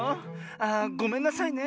ああごめんなさいね。